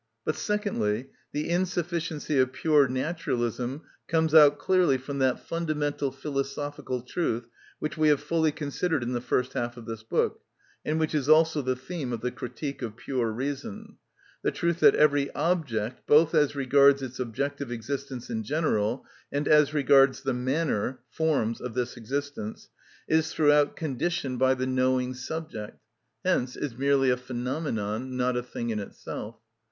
But, secondly, the insufficiency of pure naturalism comes out clearly from that fundamental philosophical truth, which we have fully considered in the first half of this book, and which is also the theme of the "Critique of Pure Reason;" the truth that every object, both as regards its objective existence in general and as regards the manner (forms) of this existence, is throughout conditioned by the knowing subject, hence is merely a phenomenon, not a thing in itself.